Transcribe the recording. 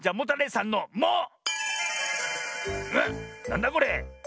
なんだこれ？